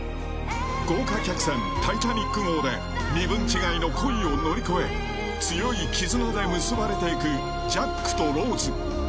豪華客船「タイタニック号」で身分違いの恋を乗り越え強い絆で結ばれていくジャックとローズ。